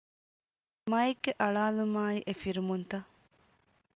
މައެއްގެ އަޅާލުމާއި އެ ފިރުމުންތައް